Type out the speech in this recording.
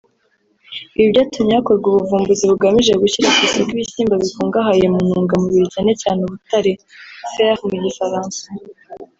Ibi byatumye hakorwa ubuvumbuzi bugamije gushyira ku isoko ibishyimbo bikungahaye mu ntungamubiri cyane cyane ubutare (Fer mu Gifaransa)